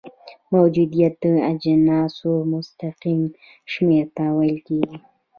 موجودیه د اجناسو مستقیم شمیر ته ویل کیږي.